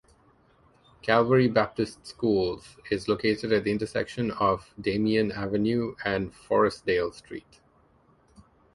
Calvary Baptist Schools is located at the intersection of Damien Avenue and Forestdale Street.